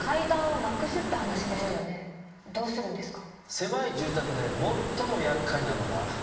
どうするんですか？